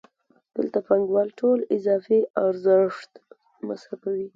دلته پانګوال ټول اضافي ارزښت مصرفوي